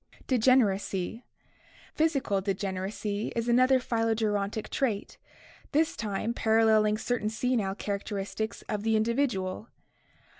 Degeneracy. — Physical degeneracy is another phylogerontic trait, this time paralleling certain senile characteristics of the in dividual.